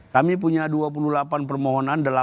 kami punya dua puluh delapan permohonan